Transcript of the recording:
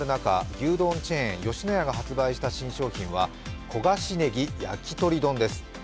牛丼チェーン・吉野家が発売した新商品は焦がしねぎ焼き鳥丼です。